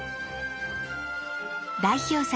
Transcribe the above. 代表作